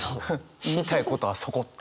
言いたいことはそこっていう。